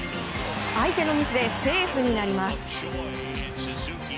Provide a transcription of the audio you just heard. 相手のミスでセーフになります。